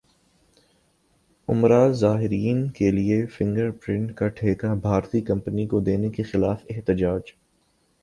عمرہ زائرین کیلئے فنگر پرنٹ کا ٹھیکہ بھارتی کمپنی کو دینے کیخلاف احتجاج